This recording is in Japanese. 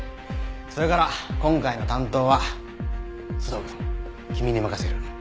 それから今回の担当は須藤くん君に任せる。